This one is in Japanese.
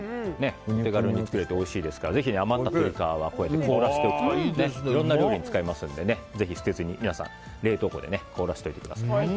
手軽に作れておいしいですからぜひ余った鶏皮は凍らせておくといろんな料理に使えますのでぜひ捨てずに冷凍庫で凍らせておいてください。